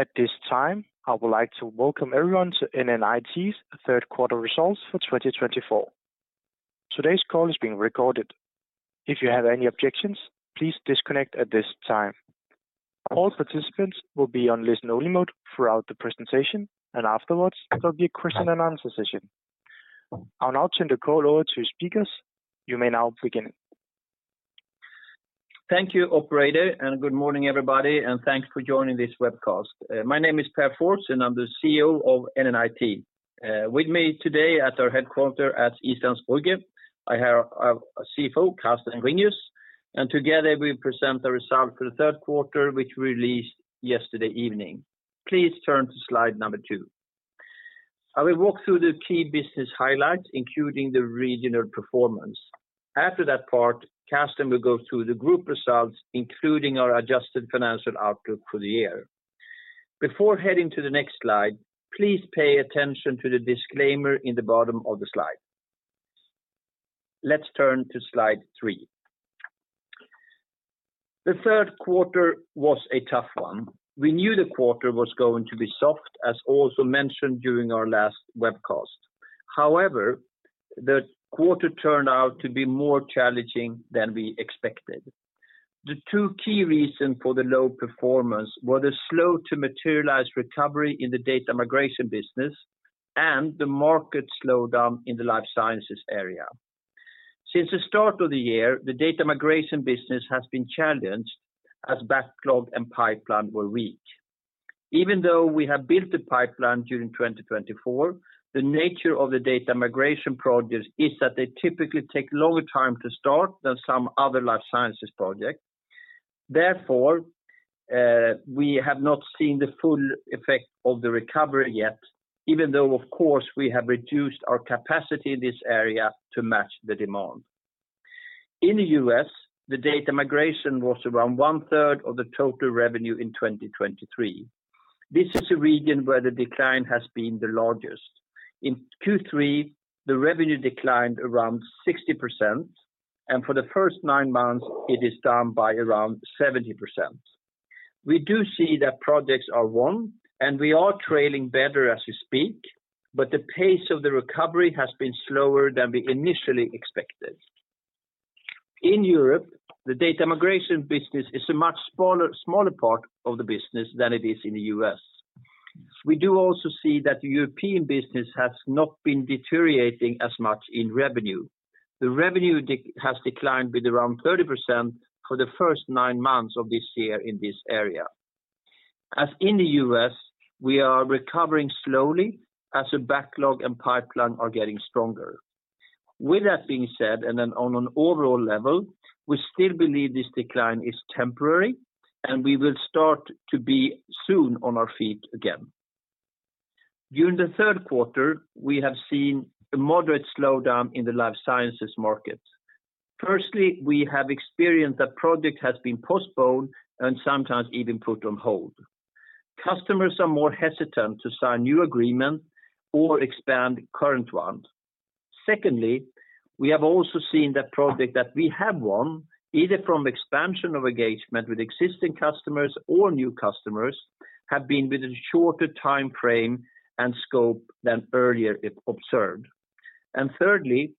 At this time, I would like to welcome everyone to NNIT's third quarter results for 2024. Today's call is being recorded. If you have any objections, please disconnect at this time. All participants will be on listen-only mode throughout the presentation, and afterwards, there will be a question-and-answer session. I'll now turn the call over to speakers. You may now begin. Thank you, Operator, and good morning, everybody, and thanks for joining this webcast. My name is Pär Fors, and I'm the CEO of NNIT. With me today at our headquarters at Søborg, I have our CFO, Carsten Ringius, and together we present the results for the third quarter, which we released yesterday evening. Please turn to slide number two. I will walk through the key business highlights, including the regional performance. After that part, Carsten will go through the group results, including our adjusted financial outlook for the year. Before heading to the next slide, please pay attention to the disclaimer in the bottom of the slide. Let's turn to slide three. The third quarter was a tough one. We knew the quarter was going to be soft, as also mentioned during our last webcast. However, the quarter turned out to be more challenging than we expected. The two key reasons for the low performance were the slow-to-materialize recovery in the data migration business and the market slowdown in the life sciences area. Since the start of the year, the data migration business has been challenged as backlog and pipeline were weak. Even though we have built the pipeline during 2024, the nature of the data migration projects is that they typically take longer time to start than some other life sciences projects. Therefore, we have not seen the full effect of the recovery yet, even though, of course, we have reduced our capacity in this area to match the demand. In the U.S., the data migration was around one-third of the total revenue in 2023. This is a region where the decline has been the largest. In Q3, the revenue declined around 60%, and for the first nine months, it is down by around 70%. We do see that projects are won, and we are trailing better as we speak, but the pace of the recovery has been slower than we initially expected. In Europe, the data migration business is a much smaller part of the business than it is in the U.S. We do also see that the European business has not been deteriorating as much in revenue. The revenue has declined with around 30% for the first nine months of this year in this area. As in the U.S., we are recovering slowly as the backlog and pipeline are getting stronger. With that being said, and then on an overall level, we still believe this decline is temporary, and we will start to be soon on our feet again. During the third quarter, we have seen a moderate slowdown in the life sciences market. Firstly, we have experienced that projects have been postponed and sometimes even put on hold. Customers are more hesitant to sign new agreements or expand current ones. Secondly, we have also seen that projects that we have won, either from expansion of engagement with existing customers or new customers, have been within a shorter time frame and scope than earlier observed. And thirdly,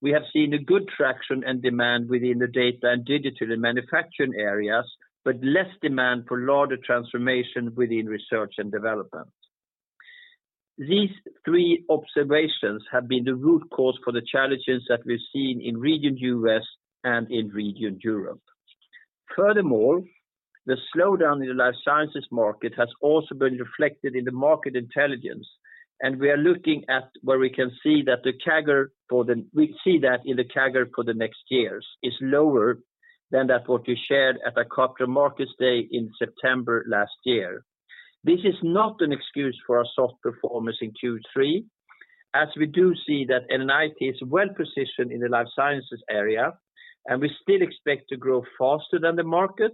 we have seen good traction and demand within the data and digital and manufacturing areas, but less demand for larger transformation within research and development. These three observations have been the root cause for the challenges that we've seen in region U.S. and in region Europe. Furthermore, the slowdown in the life sciences market has also been reflected in the market intelligence, and we are looking at where we can see that in the CAGR for the next years is lower than what you shared at the Capital Markets Day in September last year. This is not an excuse for our soft performance in Q3, as we do see that NNIT is well positioned in the life sciences area, and we still expect to grow faster than the market,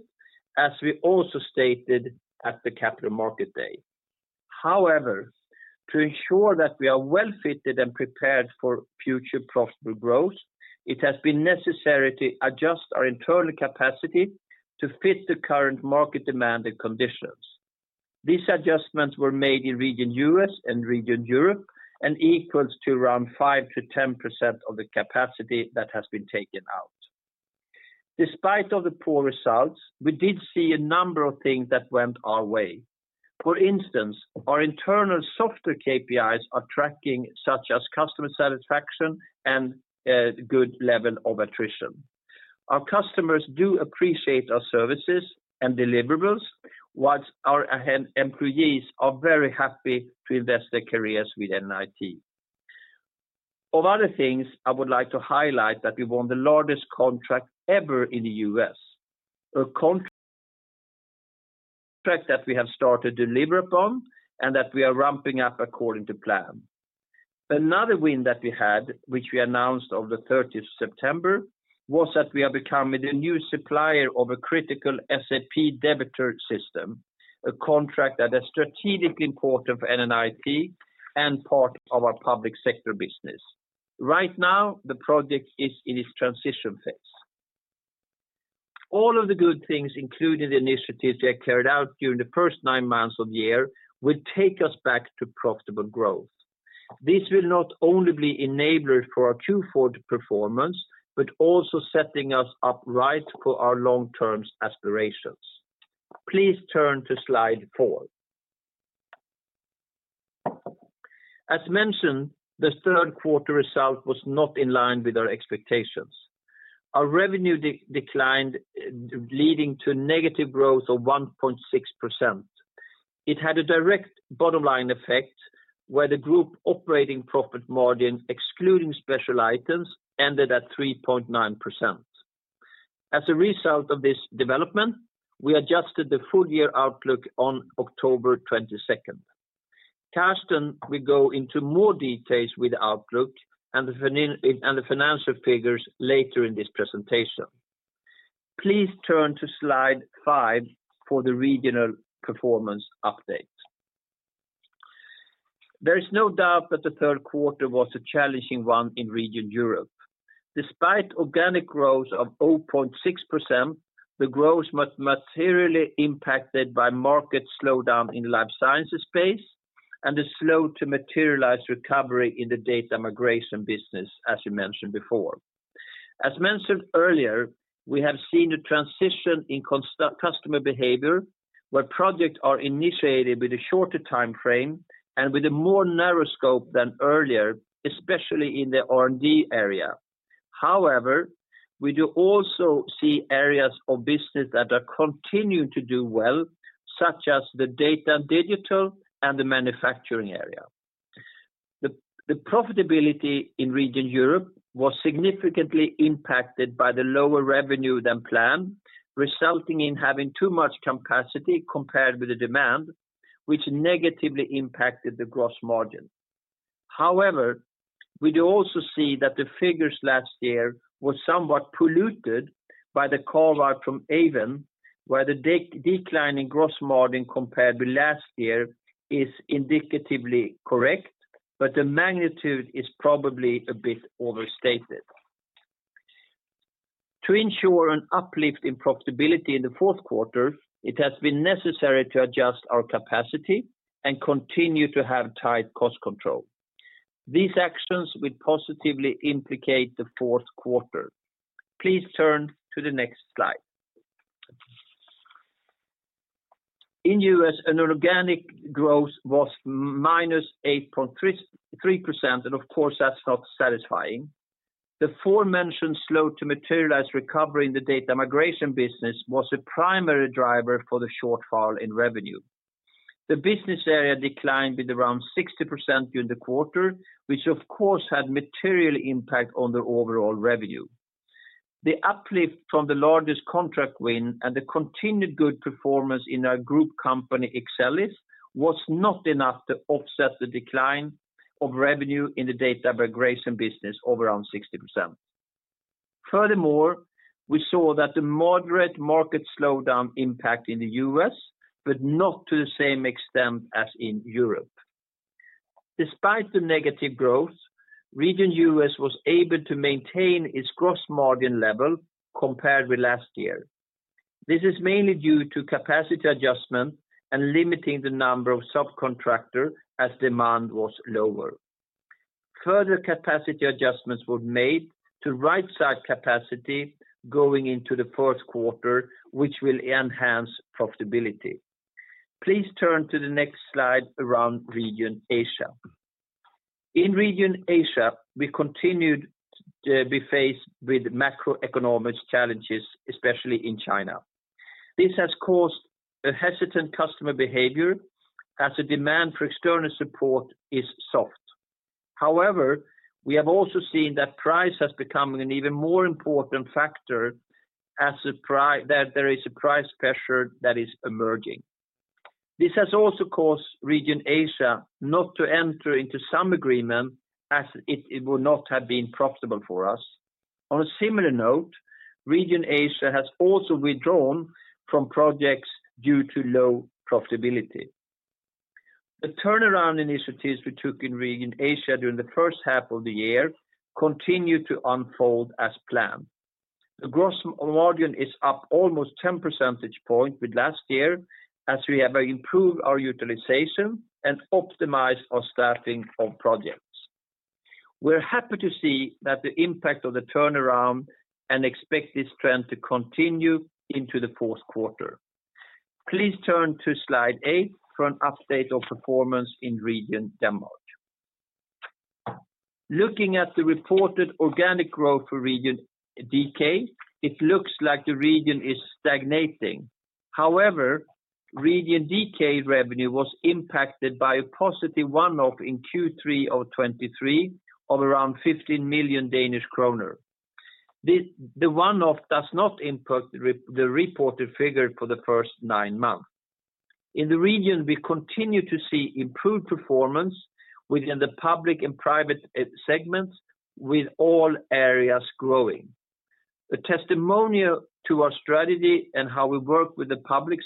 as we also stated at the Capital Markets Day. However, to ensure that we are well fitted and prepared for future profitable growth, it has been necessary to adjust our internal capacity to fit the current market demand and conditions. These adjustments were made in region U.S. and region Europe and equals to around 5%-10% of the capacity that has been taken out. Despite all the poor results, we did see a number of things that went our way. For instance, our internal software KPIs are tracking, such as customer satisfaction and good level of attrition. Our customers do appreciate our services and deliverables, while our employees are very happy to invest their careers with NNIT. Of other things, I would like to highlight that we won the largest contract ever in the U.S. a contract that we have started to deliver upon and that we are ramping up according to plan. Another win that we had, which we announced on the 30th of September, was that we are becoming the new supplier of a critical SAP Debitor System, a contract that is strategically important for NNIT and part of our public sector business. Right now, the project is in its transition phase. All of the good things, including the initiatives we have carried out during the first nine months of the year, will take us back to profitable growth. This will not only be enabler for our Q4 performance, but also setting us up right for our long-term aspirations. Please turn to slide four. As mentioned, the third quarter result was not in line with our expectations. Our revenue declined, leading to negative growth of 1.6%. It had a direct bottom line effect, where the group operating profit margin, excluding special items, ended at 3.9%. As a result of this development, we adjusted the full year outlook on October 22nd. Carsten, we go into more details with the outlook and the financial figures later in this presentation. Please turn to slide five for the regional performance update. There is no doubt that the third quarter was a challenging one in region Europe. Despite organic growth of 0.6%, the growth was materially impacted by market slowdown in the life sciences space and the slow-to-materialize recovery in the data migration business, as you mentioned before. As mentioned earlier, we have seen a transition in customer behavior, where projects are initiated with a shorter time frame and with a more narrow scope than earlier, especially in the R&D area. However, we do also see areas of business that are continuing to do well, such as the data and digital and the manufacturing area. The profitability in region Europe was significantly impacted by the lower revenue than planned, resulting in having too much capacity compared with the demand, which negatively impacted the gross margin. However, we do also see that the figures last year were somewhat polluted by the callback from Aeven, where the declining gross margin compared with last year is indicatively correct, but the magnitude is probably a bit overstated. To ensure an uplift in profitability in the fourth quarter, it has been necessary to adjust our capacity and continue to have tight cost control. These actions would positively implicate the fourth quarter. Please turn to the next slide. In U.S., an organic growth was minus 8.3%, and of course, that's not satisfying. The aforementioned slow-to-materialize recovery in the data migration business was a primary driver for the shortfall in revenue. The business area declined with around 60% during the quarter, which of course had material impact on the overall revenue. The uplift from the largest contract win and the continued good performance in our group company, Excellis, was not enough to offset the decline of revenue in the data migration business of around 60%. Furthermore, we saw that the moderate market slowdown impact in the U.S., but not to the same extent as in Europe. Despite the negative growth, region U.S. was able to maintain its gross margin level compared with last year. This is mainly due to capacity adjustment and limiting the number of subcontractors as demand was lower. Further capacity adjustments were made to right-size capacity going into the fourth quarter, which will enhance profitability. Please turn to the next slide around region Asia. In region Asia, we continued to be faced with macroeconomic challenges, especially in China. This has caused a hesitant customer behavior as the demand for external support is soft. However, we have also seen that price has become an even more important factor as there is a price pressure that is emerging. This has also caused region Asia not to enter into some agreement as it will not have been profitable for us. On a similar note, region Asia has also withdrawn from projects due to low profitability. The turnaround initiatives we took in region Asia during the first half of the year continue to unfold as planned. The gross margin is up almost 10 percentage points with last year as we have improved our utilization and optimized our staffing of projects. We're happy to see that the impact of the turnaround and expect this trend to continue into the fourth quarter. Please turn to slide eight for an update of performance in region Denmark. Looking at the reported organic growth for region DK, it looks like the region is stagnating. However, region DK revenue was impacted by a positive one-off in Q3 of 2023 of around 15 million Danish kroner. The one-off does not impact the reported figure for the first nine months. In the region, we continue to see improved performance within the public and private segments, with all areas growing. A testimonial to our strategy and how we work with the public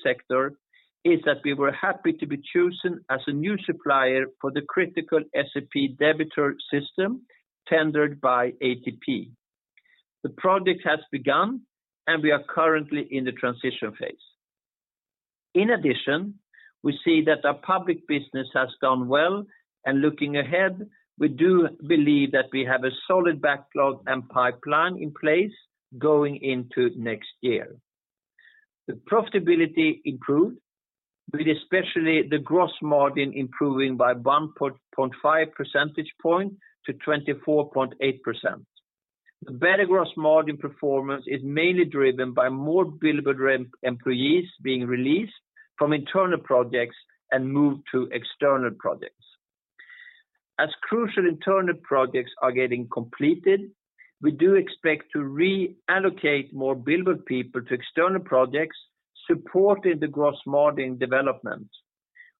sector is that we were happy to be chosen as a new supplier for the critical SAP Debitor System tendered by ATP. The project has begun, and we are currently in the transition phase. In addition, we see that our public business has done well, and looking ahead, we do believe that we have a solid backlog and pipeline in place going into next year. The profitability improved, with especially the gross margin improving by 1.5 percentage points to 24.8%. The better gross margin performance is mainly driven by more billable employees being released from internal projects and moved to external projects. As crucial internal projects are getting completed, we do expect to reallocate more billable people to external projects supporting the gross margin development.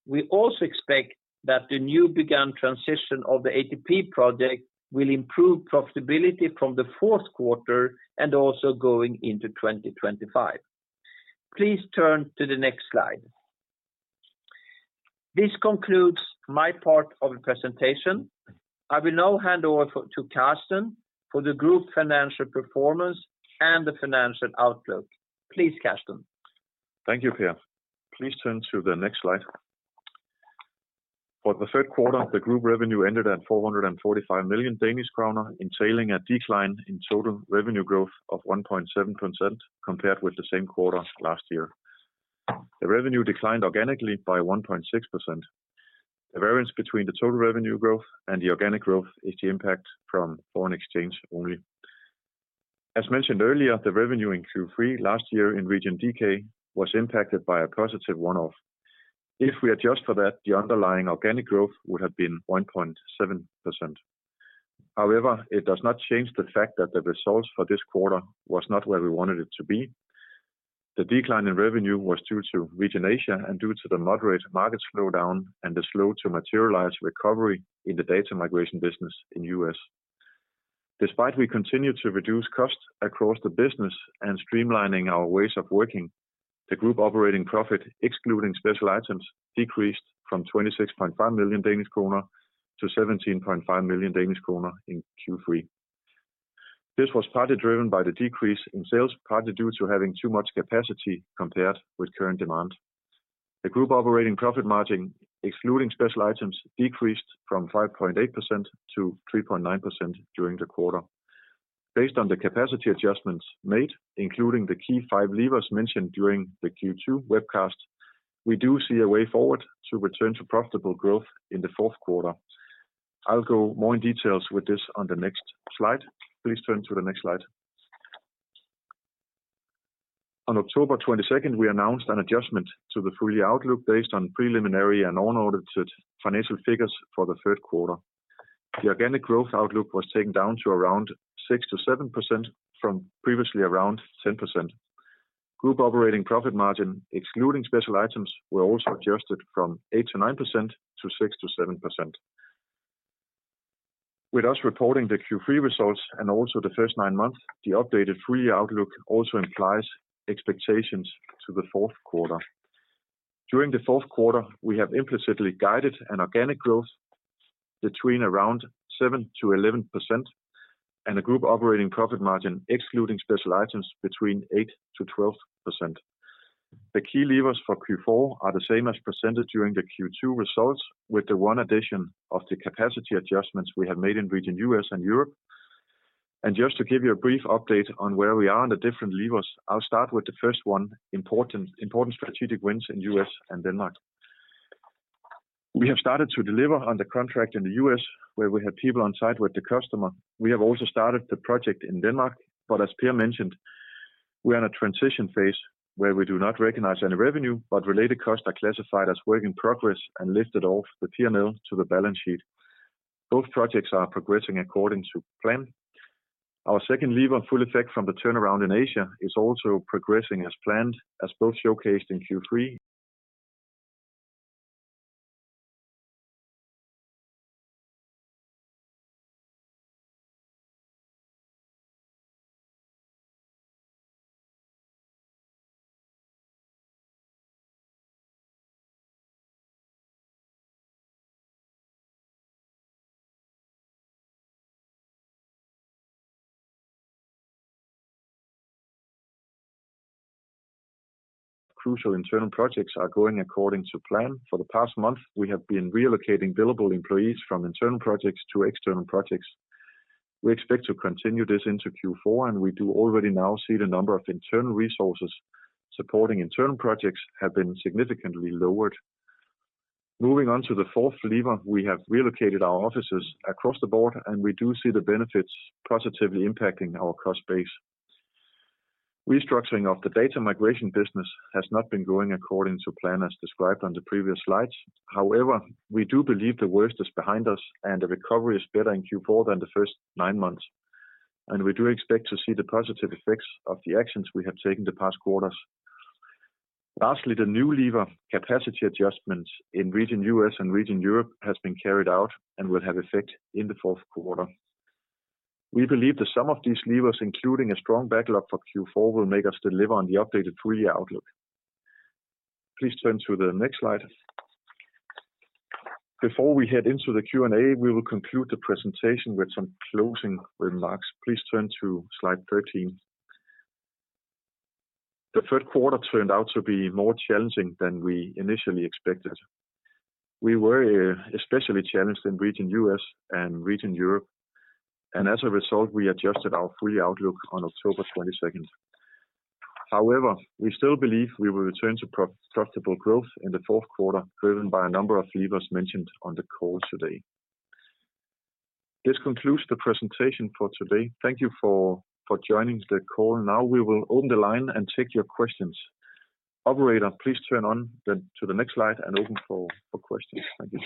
We also expect that the new begun transition of the ATP project will improve profitability from the fourth quarter and also going into 2025. Please turn to the next slide. This concludes my part of the presentation. I will now hand over to Carsten for the group financial performance and the financial outlook. Please, Carsten. Thank you, Pär. Please turn to the next slide. For the third quarter, the group revenue ended at 445 million Danish kroner, entailing a decline in total revenue growth of 1.7% compared with the same quarter last year. The revenue declined organically by 1.6%. The variance between the total revenue growth and the organic growth is the impact from foreign exchange only. As mentioned earlier, the revenue in Q3 last year in region DK was impacted by a positive one-off. If we adjust for that, the underlying organic growth would have been 1.7%. However, it does not change the fact that the results for this quarter were not where we wanted it to be. The decline in revenue was due to region Asia and due to the moderate market slowdown and the slow-to-materialize recovery in the data migration business in U.S. Despite we continue to reduce costs across the business and streamlining our ways of working, the group operating profit, excluding special items, decreased from 26.5 million Danish kroner - 17.5 million Danish kroner in Q3. This was partly driven by the decrease in sales, partly due to having too much capacity compared with current demand. The group operating profit margin, excluding special items, decreased from 5.8% to 3.9% during the quarter. Based on the capacity adjustments made, including the key five levers mentioned during the Q2 webcast, we do see a way forward to return to profitable growth in the fourth quarter. I'll go more in details with this on the next slide. Please turn to the next slide. On October 22nd, we announced an adjustment to the full year outlook based on preliminary and unaudited financial figures for the third quarter. The organic growth outlook was taken down to around 6%-7% from previously around 10%. Group operating profit margin, excluding special items, were also adjusted from 8%-9% to 6%-7%. With us reporting the Q3 results and also the first nine months, the updated full year outlook also implies expectations to the fourth quarter. During the fourth quarter, we have implicitly guided an organic growth between around 7%-11% and a group operating profit margin, excluding special items, between 8%-12%. The key levers for Q4 are the same as presented during the Q2 results, with the one addition of the capacity adjustments we have made in region U.S. and Europe. And just to give you a brief update on where we are on the different levers, I'll start with the first one, important strategic wins in U.S. and Denmark. We have started to deliver on the contract in the U.S., where we have people on site with the customer. We have also started the project in Denmark, but as Pär mentioned, we are in a transition phase where we do not recognize any revenue, but related costs are classified as work in progress and lifted off the P&L to the balance sheet. Both projects are progressing according to plan. Our second lever, full effect from the turnaround in Asia, is also progressing as planned, as both showcased in Q3. Crucial internal projects are going according to plan. For the past month, we have been reallocating billable employees from internal projects to external projects. We expect to continue this into Q4, and we do already now see the number of internal resources supporting internal projects have been significantly lowered. Moving on to the fourth lever, we have relocated our offices across the board, and we do see the benefits positively impacting our cost base. Restructuring of the data migration business has not been going according to plan as described on the previous slides. However, we do believe the worst is behind us, and the recovery is better in Q4 than the first nine months, and we do expect to see the positive effects of the actions we have taken the past quarters. Lastly, the new lever, capacity adjustments in region U.S. and region Europe, has been carried out and will have effect in the fourth quarter. We believe that some of these levers, including a strong backlog for Q4, will make us deliver on the updated full year outlook. Please turn to the next slide. Before we head into the Q&A, we will conclude the presentation with some closing remarks. Please turn to slide 13. The third quarter turned out to be more challenging than we initially expected. We were especially challenged in region U.S. and region Europe, and as a result, we adjusted our full year outlook on October 22nd. However, we still believe we will return to profitable growth in the fourth quarter, driven by a number of levers mentioned on the call today. This concludes the presentation for today. Thank you for joining the call. Now we will open the line and take your questions. Operator, please turn on to the next slide and open for questions. Thank you.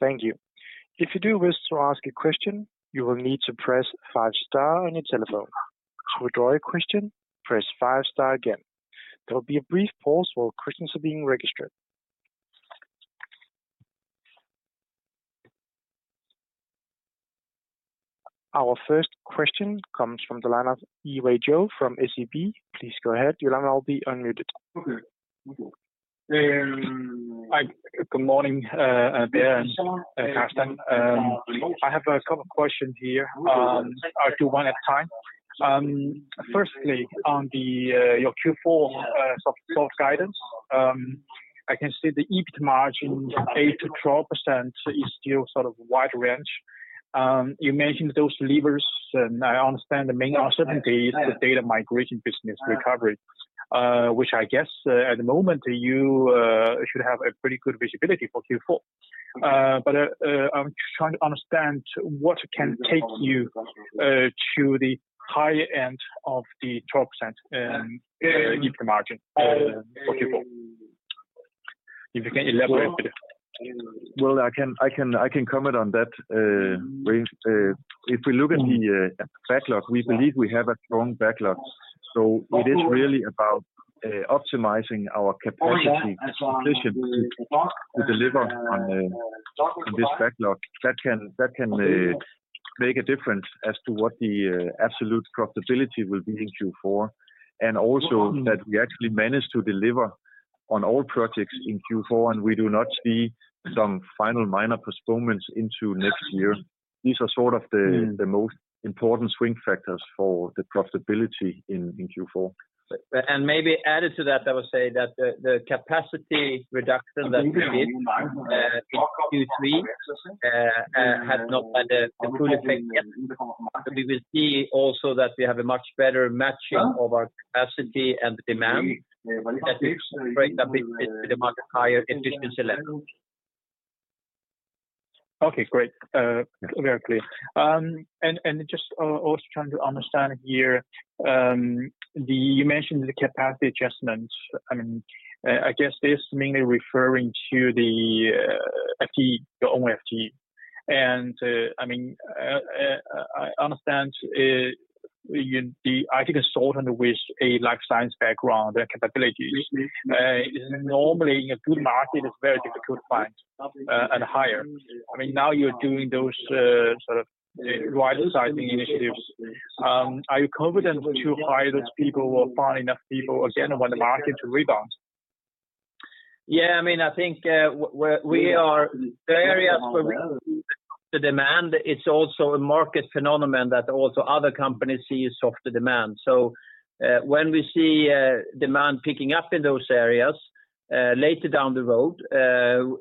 Thank you. If you do wish to ask a question, you will need to press five stars on your telephone. To withdraw your question, press five stars again. There will be a brief pause while questions are being registered. Our first question comes from Yiwei Zhou from SEB. Please go ahead. You'll now be unmuted. Okay. Good morning, Pär and Carsten. I have a couple of questions here. I do want to have time. Firstly, on your Q4 soft guidance, I can see the EBIT margin, 8%-12%, is still sort of wide range. You mentioned those levers, and I understand the main uncertainty is the data migration business recovery, which I guess at the moment you should have a pretty good visibility for Q4. But I'm trying to understand what can take you to the higher end of the 12% EBIT margin for Q4. If you can elaborate a bit. Well, I can comment on that. If we look at the backlog, we believe we have a strong backlog. So it is really about optimizing our capacity sufficient to deliver on this backlog. That can make a difference as to what the absolute profitability will be in Q4, and also that we actually manage to deliver on all projects in Q4, and we do not see some final minor postponements into next year. These are sort of the most important swing factors for the profitability in Q4. And maybe added to that, I will say that the capacity reduction that we did in Q3 has not had the full effect yet. We will see also that we have a much better matching of our capacity and demand that brings a bit to the much higher efficiency level. Okay, great. Very clear. And just also trying to understand here, you mentioned the capacity adjustment. I guess this is mainly referring to the FTE, your own FTE. I understand the IT consultant with a life science background and capabilities is normally in a good market. It's very difficult to find and hire. Now you're doing those sort of right-sizing initiatives. Are you confident to hire those people or find enough people again when the market rebounds? Yeah, I think we are in areas where we see soft demand. It's also a market phenomenon that also other companies see is soft demand. So when we see demand picking up in those areas later down the road,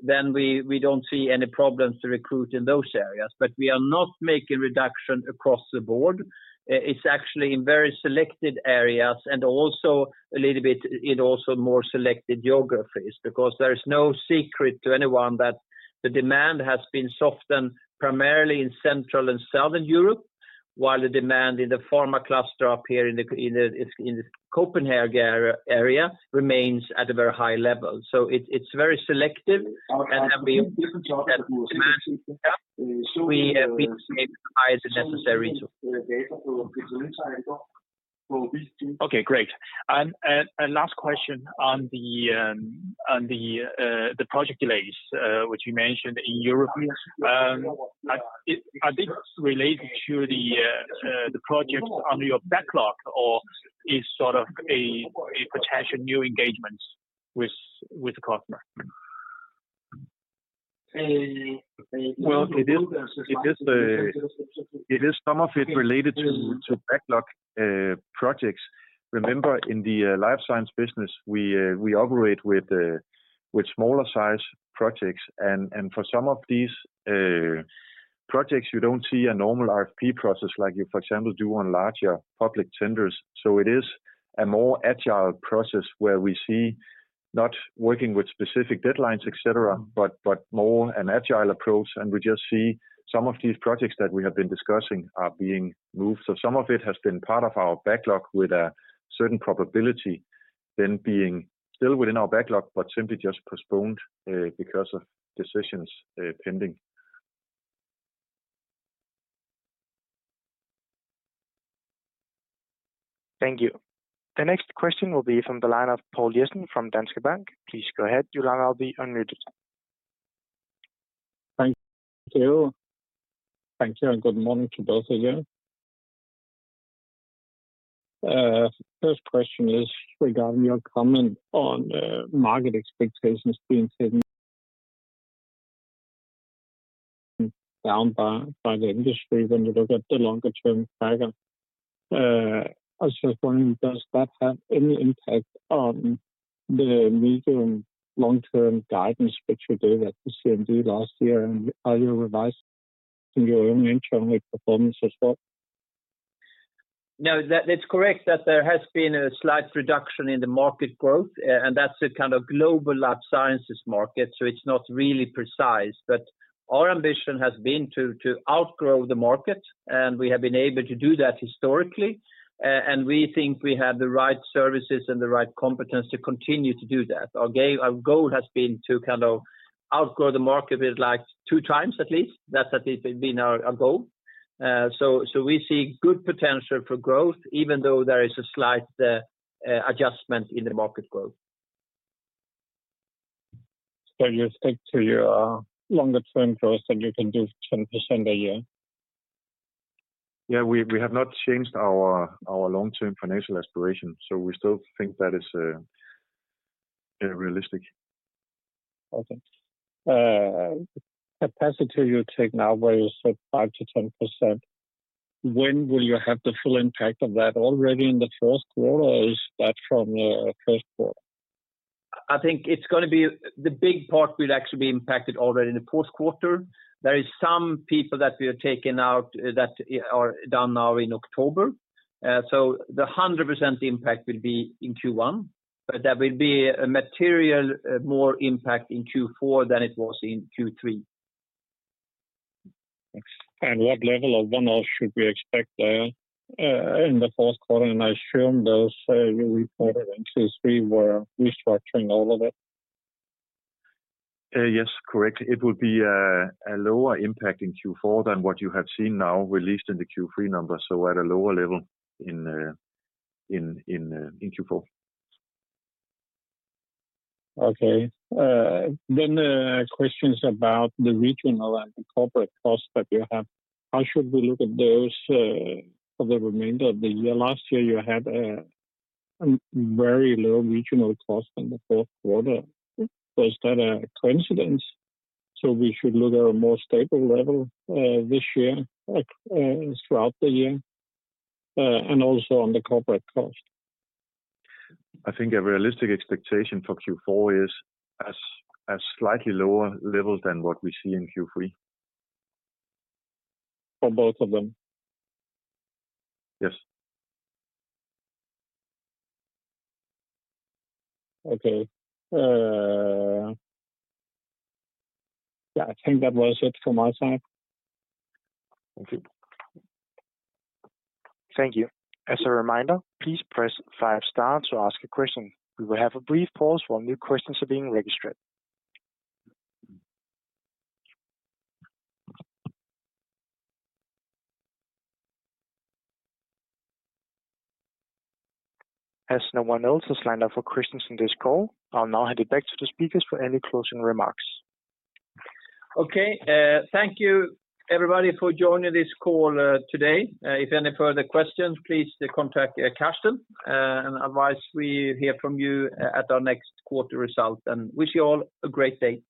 then we don't see any problems to recruit in those areas. But we are not making reduction across the board. It's actually in very selected areas and also a little bit in also more selected geographies because there is no secret to anyone that the demand has been softened primarily in Central and Southern Europe, while the demand in the pharma cluster up here in the Copenhagen area remains at a very high level. So it's very selective, and we have made the highest necessary choice. Okay, great. And last question on the project delays, which you mentioned in Europe. Are these related to the projects under your backlog, or is sort of a potential new engagement with the customer? Well, it is some of it related to backlog projects. Remember, in the life science business, we operate with smaller size projects. And for some of these projects, you don't see a normal RFP process like you, for example, do on larger public tenders. So it is a more agile process where we see not working with specific deadlines, etc., but more an agile approach. And we just see some of these projects that we have been discussing are being moved. So some of it has been part of our backlog with a certain probability then being still within our backlog, but simply just postponed because of decisions pending. Thank you. The next question will be from the line of Poul Jessen from Danske Bank. Please go ahead, you'll now be unmuted. Thank you. Thank you, and good morning to both of you. First question is regarding your comment on market expectations being taken down by the industry when you look at the longer-term tracker. I was just wondering, does that have any impact on the medium-long-term guidance which you gave at the CMD last year? And are you revising your own internal performance as well? No, that's correct that there has been a slight reduction in the market growth, and that's a kind of global life sciences market, so it's not really precise. But our ambition has been to outgrow the market, and we have been able to do that historically. And we think we have the right services and the right competence to continue to do that. Our goal has been to kind of outgrow the market with like two times at least. That's been our goal. So we see good potential for growth, even though there is a slight adjustment in the market growth. So you think to your longer-term growth that you can do 10% a year? Yeah, we have not changed our long-term financial aspiration, so we still think that is realistic. Okay. Capacity you take now, where you said 5%-10%, when will you have the full impact of that? Already in the fourth quarter or is that from the first quarter? I think it's going to be the big part will actually be impacted already in the fourth quarter. There are some people that we have taken out that are done now in October. So the 100% impact will be in Q1, but there will be a material more impact in Q4 than it was in Q3. And what level of one-off should we expect there in the fourth quarter? And I assume there's a Q4 and Q3 where restructuring all of it. Yes, correct. It will be a lower impact in Q4 than what you have seen now released in the Q3 numbers, so at a lower level in Q4. Okay. Then, questions about the regional and the corporate costs that you have. How should we look at those for the remainder of the year? Last year, you had a very low regional cost in the fourth quarter. Was that a coincidence? So we should look at a more stable level this year throughout the year and also on the corporate cost? I think a realistic expectation for Q4 is a slightly lower level than what we see in Q3. For both of them? Yes. Okay. Yeah, I think that was it from my side. Thank you. Thank you. As a reminder, please press five stars to ask a question. We will have a brief pause while new questions are being registered. As no one else has lined up for questions in this call, I'll now hand it back to the speakers for any closing remarks. Okay. Thank you, everybody, for joining this call today. If you have any further questions, please contact Carsten. And I advise we hear from you at our next quarter result. And wish you all a great day.